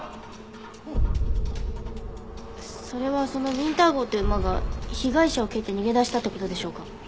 それはそのウィンター号って馬が被害者を蹴って逃げ出したって事でしょうか？